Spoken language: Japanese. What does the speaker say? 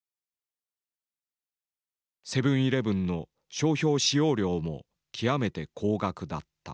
「セブンイレブン」の商標使用料も極めて高額だった。